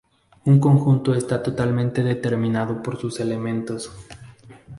Un conjunto está totalmente determinado por sus elementos.